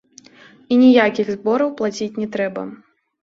І ніякіх збораў плаціць не трэба.